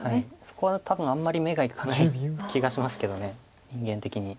そこは多分あんまり目がいかない気がしますけど人間的に。